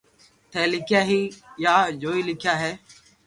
ٿي لکيا ھي يا جوئي لکيا ھي